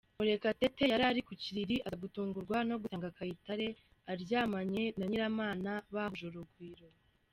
Murekatete yari ku kiriri, aza gutungurwa no gusanga Kayitare aryamanye na Nyiramana bahuje urugwiro.